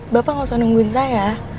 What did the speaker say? bapak nggak usah nungguin saya